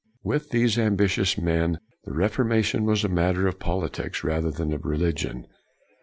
With these ambitious men the Reformation was a matter of politics rather than of religion.